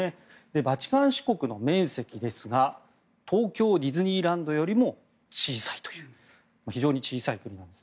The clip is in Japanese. バチカン市国の面積ですが東京ディズニーランドより小さく非常に小さい国です。